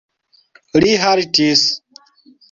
Li haltis.